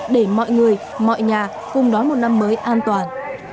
để mọi người mọi nhà cùng đón một năm mới an toàn